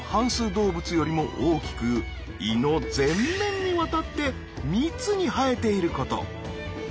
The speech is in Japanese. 動物よりも大きく胃の全面にわたって密に生えていること。